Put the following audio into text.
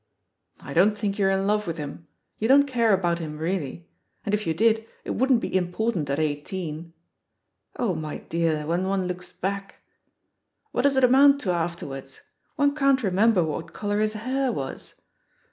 '* I don't think you're in love with him; you don't care about him really. And if you did, it wouldn't be important at eighteen. Oh, my dear, when one looks back! •.• What does it amount to afterwards ? one can't remember what colour his hair was.